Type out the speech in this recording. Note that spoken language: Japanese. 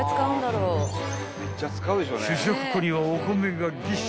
［主食庫にはお米がぎっしり］